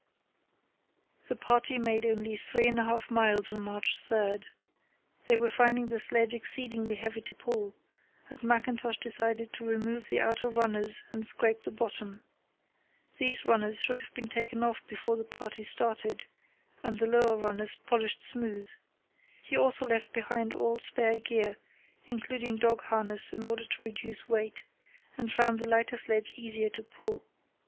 The party made only three and a half miles on March 3. They were finding the sledge exceedingly heavy to pull, and Mackintosh decided to remove the outer runners and scrape the bottom. These runners should have been taken off before the party started, and the lower runners polished smooth. He also left behind all spare gear, including dog harness in order to reduce weight, and found the lighter sledge easier to pull.